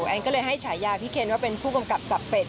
แอนก็เลยให้ฉายาพี่เคนว่าเป็นผู้กำกับสับเป็ด